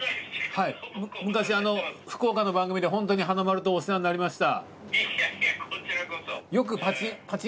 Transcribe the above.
昔福岡の番組で本当に華丸とお世話になりました。